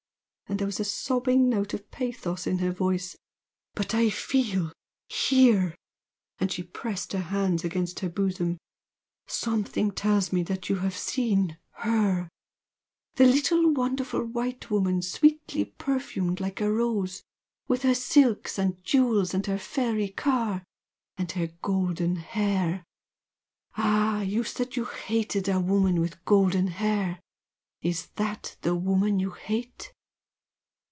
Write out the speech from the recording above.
and there was a sobbing note of pathos in her voice "But I feel HERE!" and she pressed her hands against her bosom "something tells me that you have seen HER the little wonderful white woman, sweetly perfumed like a rose, with her silks and jewels and her fairy car! and her golden hair... ah! you said you hated a woman with golden hair! Is that the woman you hate?"